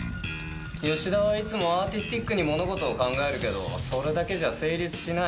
吉田はいつもアーティスティックに物事を考えるけど、それだけじゃ成立しない。